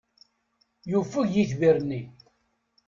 Yufeg yitbir-nni.